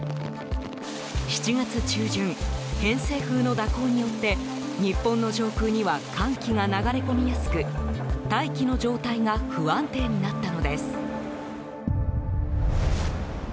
７月中旬、偏西風の蛇行によって日本の上空が寒気が流れ込みやすく大気の状態が不安定になったのです。